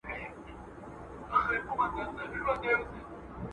د اقتصادي پرمختیا د چټکولو لپاره منظم پلان جوړ کړئ.